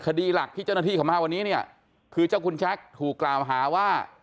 คดีหลักที่เจ้าหน้าที่เขามาวันนี้เนี่ยคือเจ้าคุณแจ๊คถูกกล่าวหาว่า